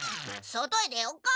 外へ出よっか！